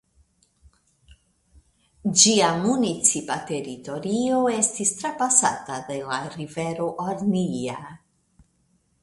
Ĝia municipa teritorio estas trapasata de la rivero Hornija.